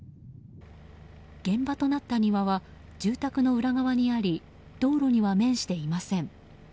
現場となった庭は住宅の裏側にあり道路には面していません。